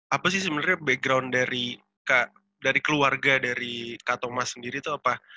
apa sih sebenarnya background dari keluarga dari kak thomas sendiri itu apa